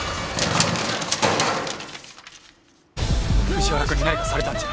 藤原くんに何かされたんじゃ。